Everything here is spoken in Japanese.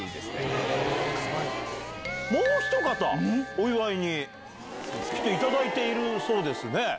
もうひと方お祝いに来ていただいているそうですね。